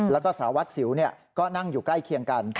แล้วก็สารวัตรสิวก็นั่งอยู่ใกล้เคียงกัน